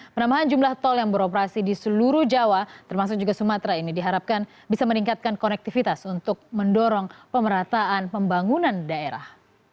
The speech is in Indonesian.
penambahan jumlah tol yang beroperasi di seluruh jawa termasuk juga sumatera ini diharapkan bisa meningkatkan konektivitas untuk mendorong pemerataan pembangunan daerah